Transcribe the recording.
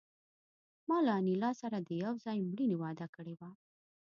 ما له انیلا سره د یو ځای مړینې وعده کړې وه